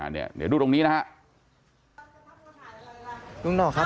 เดี๋ยวดูตรงนี้นะครับ